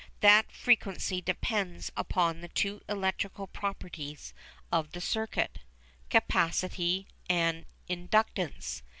That frequency depends upon the two electrical properties of the circuit: capacity and inductance.